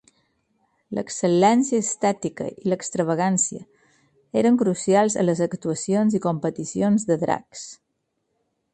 L'excel·lència estètica i l'extravagància eren crucials a les actuacions i competicions de drags.